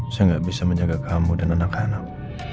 saya gak bisa menjaga kamu dan anak anakku